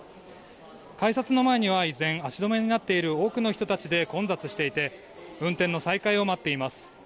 改札の前には依然足止めになっている多くの人たちで混雑していて運転の再開を待っています。